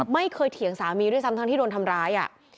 เถียงสามีด้วยซ้ำทั้งที่โดนทำร้าย